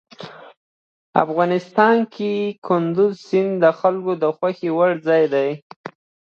افغانستان کې کندز سیند د خلکو د خوښې وړ ځای دی.